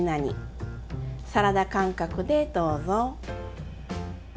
サラダ感覚でどうぞ。